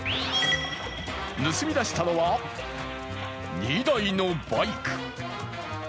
盗み出したのは、２台のバイク。